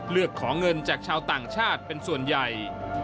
เลือกขอเงินจากชาวต่างชาติเป็นส่วนใหญ่